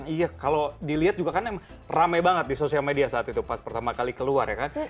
iya kalau dilihat juga kan emang rame banget di sosial media saat itu pas pertama kali keluar ya kan